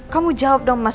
kamu jawab dong mas